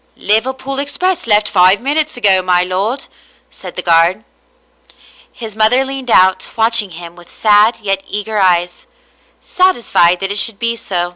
"Liverpool express left five minutes ago, my lord," said the guard. His mother leaned out, watching him with sad, yet eager eyes, satisfied that it should be so.